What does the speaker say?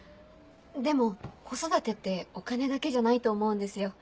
でも子育てってお金だけじゃないと思うんですよ。